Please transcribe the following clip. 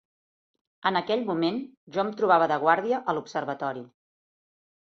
En aquell moment jo em trobava de guàrdia a l'observatori